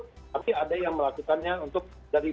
tapi ada yang melakukannya untuk dari